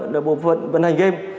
là bộ phận vận hành game